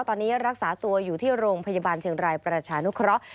ตอนนี้รักษาตัวอยู่ที่โรงพยาบาลเชียงรายประชานุเคราะห์